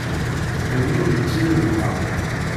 D ayen ur nettili d lḥeqq.